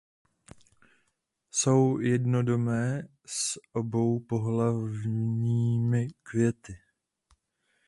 Jsou jednodomé s oboupohlavnými květy.